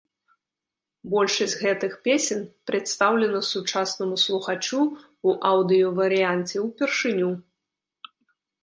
Большасць гэтых песень прадстаўлена сучаснаму слухачу ў аўдыёварыянце ўпершыню.